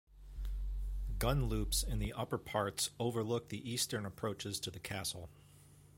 Gunloops in the upper parts overlook the eastern approaches to the castle.